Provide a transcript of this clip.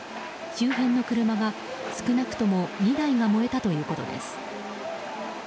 周辺の車が少なくとも２台が燃えたということです。